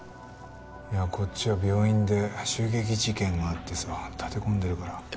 いやこっちは病院で襲撃事件があってさ立て込んでるから。